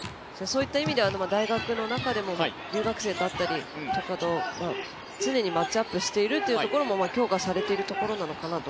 大学の中でも留学生だったりとかと常にマッチアップをしているというところも強化されているところなのかなと。